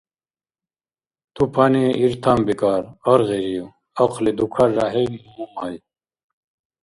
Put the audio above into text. — «Тупани иртан бикӀар». Аргъирив? — ахъли дукаряхӀиб Мумай.